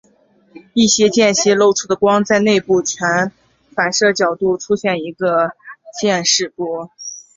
一些间隙漏出的光在内部全反射角度出现一个渐逝波。